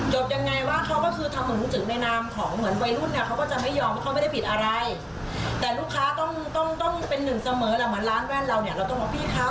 ใช่แต่ลูกค้าต้องเป็นหนึ่งเสมอเหมือนร้านแว่นเราเราต้องบอกพี่ครับ